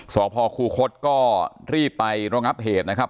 สพคูคศก็รีบไประงับเหตุนะครับ